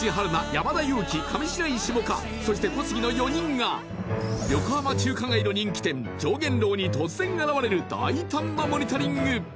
山田裕貴上白石萌歌そして小杉の４人が横浜中華街の人気店大胆なモニタリング